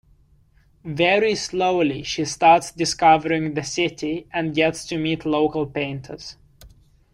Very slowly she starts discovering the city and gets to meet local painters.